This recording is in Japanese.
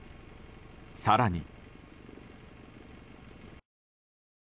更に。